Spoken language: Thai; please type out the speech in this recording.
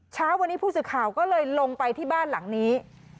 เช้าวันนี้ผู้สื่อข่าวก็เลยลงไปที่บ้านหลังนี้